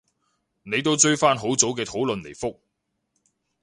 你都追返好早嘅討論嚟覆